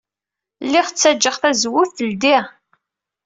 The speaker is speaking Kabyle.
Lliɣ ttajjaɣ tazewwut teldey.